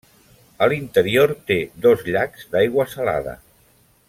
A l'interior té dos llacs d'aigua salada.